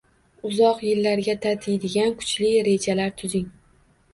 Uzoq yillarga tatiydigan kuchli rejalar tuzing